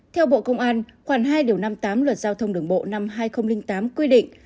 theo bộ công an khoản hai điều năm mươi tám luật giao thông đường bộ năm hai nghìn tám quy định